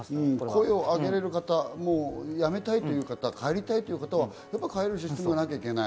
声を上げれる方もうやめたいという方帰りたいという方は帰れるシステムなきゃいけない。